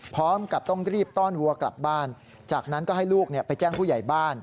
พร้อมกับต้องรีบต้อนวัวกลับบ้านจากนั้นก็ให้ลูกไปแจ้งผู้ใหญ่บ้าน